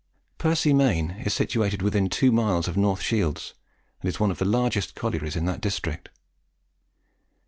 Percy Main is situated within two miles of North Shields, and is one of the largest collieries in that district.